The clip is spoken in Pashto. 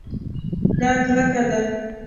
دا کلکه ده